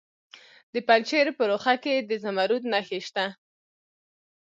د پنجشیر په روخه کې د زمرد نښې شته.